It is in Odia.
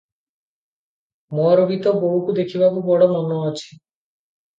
ମୋର ବି ତୋ ବୋଉକୁ ଦେଖିବାକୁ ବଡ଼ ମନ ଅଛି ।